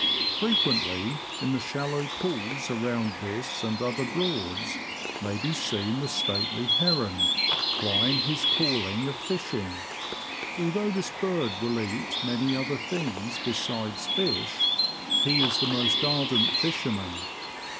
Frequently, in the shallow pools around this and other Broads, may be seen the stately heron, plying his calling of fishing. Although this bird will eat many other things besides fish, he is a most ardent fisherman.